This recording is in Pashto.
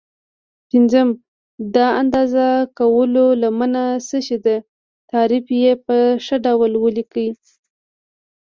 پنځم: د اندازه کولو لمنه څه شي ده؟ تعریف یې په ښه ډول ولیکئ.